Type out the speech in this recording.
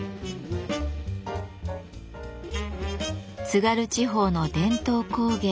津軽地方の伝統工芸